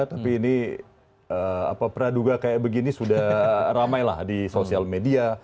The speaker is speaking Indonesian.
tapi ini apa pernah duga kayak begini sudah ramai lah di sosial media